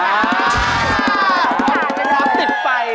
รับติดไฟ